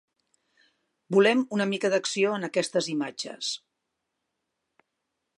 Volem una mica d'acció en aquestes imatges.